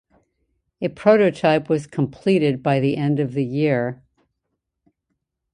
A prototype was completed by the end of the year.